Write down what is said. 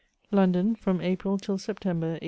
London, from April till September, 1822.